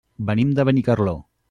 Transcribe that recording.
Venim de Benicarló.